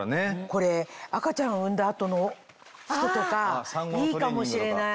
これ赤ちゃん産んだ後の人とかいいかもしれない。